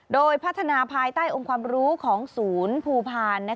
โดยพัฒนาภายใต้องค์ความรู้ของศูนย์ภูพาล